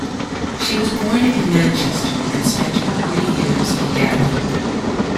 She was born in Manchester and spent her early years in Gatley.